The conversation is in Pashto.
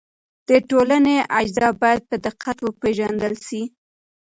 د ټولنې اجزا باید په دقت وپېژندل سي.